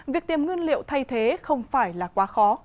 việc tìm nguyên liệu thay thế không phải là quá khó